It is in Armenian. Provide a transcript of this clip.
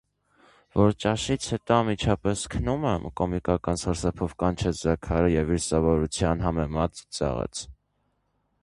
- Որ ճաշից հետո անմիջապես քնո՞ւմ եմ,- կոմիկական սարսափով կանչեց Զաքարը և իր սովորության համեմատ՝ ծիծաղեց: